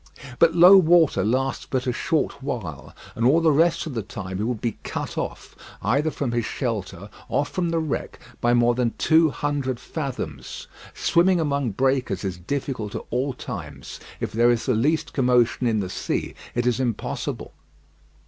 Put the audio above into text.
But low water lasts but a short while, and all the rest of the time he would be cut off either from his shelter or from the wreck by more than two hundred fathoms. Swimming among breakers is difficult at all times; if there is the least commotion in the sea it is impossible.